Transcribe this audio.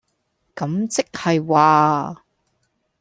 咁即係話...